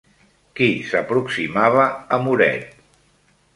Qui s'aproximava a Muret?